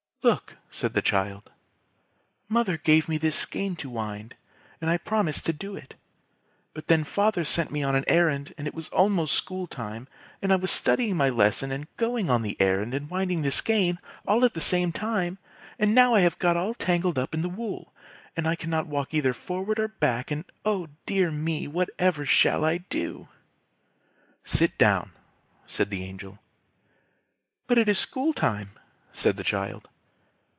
"Look!" said the child. "Mother gave me this skein to wind, and I promised to do it. But then father sent me on an errand, and it was almost school time, and I was studying my lesson and going on the errand and winding the skein, all at the same time, and now I have got all tangled up in the wool, and I cannot walk either forward or back, and oh! dear me, what ever shall I do?" "Sit down!" said the Angel. "But it is school time!" said the child.